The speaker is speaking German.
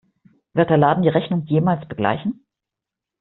Wird der Laden die Rechnung jemals begleichen?